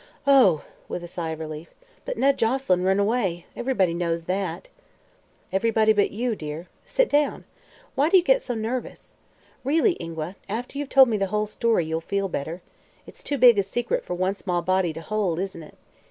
"Oh," with a sigh of relief. "But Ned Joselyn run away. Ev'rybody knows that." "Everybody but you, dear. Sit down. Why do you get so nervous? Really, Ingua, after you've told me the whole story you'll feel better. It's too big a secret for one small body to hold, isn't it?